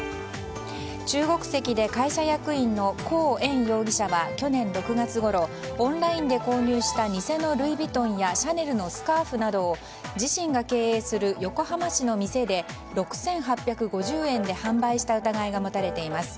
中国籍で会社役員のコウ・エン容疑者は去年６月ごろオンラインで購入した偽のルイ・ヴィトンやシャネルのスカーフなどを自身が経営する横浜市の店で６８５０円で販売した疑いが持たれています。